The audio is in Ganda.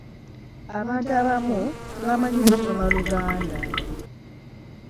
Abantu abamu tebamanyi kusoma luganda.